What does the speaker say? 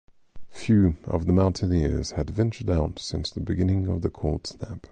Few of the mountaineers had ventured out since the beginning of the cold snap.